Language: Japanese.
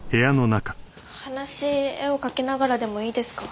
話絵を描きながらでもいいですか？